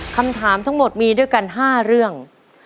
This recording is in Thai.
คำถามทั้งหมดมีด้วยกัน๕เรื่อง